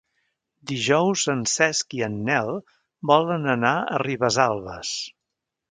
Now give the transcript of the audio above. Dijous en Cesc i en Nel volen anar a Ribesalbes.